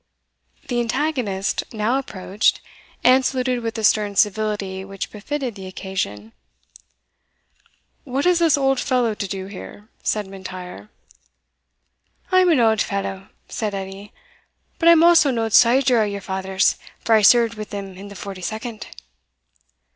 The antagonist now approached, and saluted with the stern civility which befitted the occasion. "What has this old fellow to do here?" said M'Intyre. "I am an auld fallow," said Edie, "but I am also an auld soldier o' your father's, for I served wi' him in the 42d."